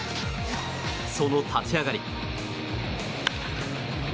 その立ち上がり。